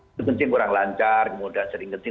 itu penting kurang lancar kemudian sering penting